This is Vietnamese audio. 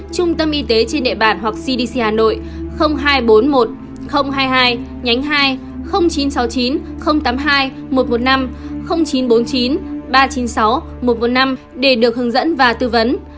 trung tâm y tế trên địa bản hoặc cdc hà nội hai trăm bốn mươi một hai mươi hai nhánh hai chín trăm sáu mươi chín tám mươi hai một trăm một mươi năm chín trăm bốn mươi chín ba trăm chín mươi sáu một trăm một mươi năm để được hướng dẫn và tư vấn